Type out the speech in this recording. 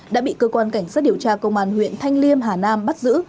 đã bị cơ quan cảnh sát điều tra công an huyện thanh liêm hà nam bắt giữ